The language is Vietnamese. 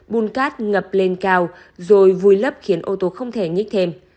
bùn cát ngập lên cao rồi vùi lấp khiến ô tô không thể nhích thêm